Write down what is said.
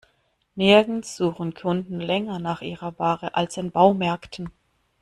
Nirgends suchen Kunden länger nach ihrer Ware als in Baumärkten.